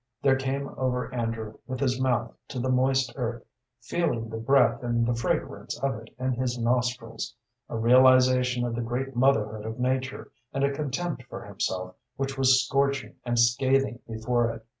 There came over Andrew, with his mouth to the moist earth, feeling the breath and the fragrance of it in his nostrils, a realization of the great motherhood of nature, and a contempt for himself which was scorching and scathing before it.